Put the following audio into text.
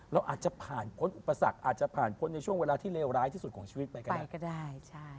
เราอาจจะผ่านพ้นอุปสรรคอาจจะผ่านพ้นในช่วงเวลาที่เลวร้ายที่สุดของชีวิตไปก็ได้